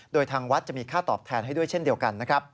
โดยทางวัดจะมีค่าตอบแทนให้ด้วยเช่นเดียวกันนะครับ